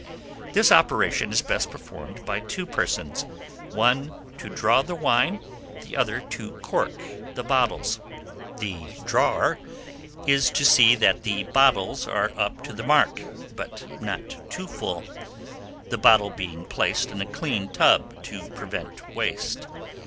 This operation is best performed by two persons, one to draw the wine, the other to cork the bottles. The drawer is to see that the bottles are up to the mark, but not too full, the bottle being placed in a clean tub to prevent waste.